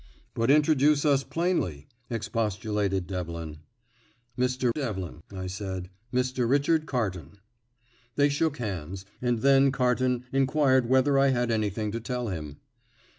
"But introduce us plainly," expostulated Devlin. "Mr. Devlin," I said, "Mr. Richard Carton." They shook hands, and then Carton inquired whether I had anything to tell him.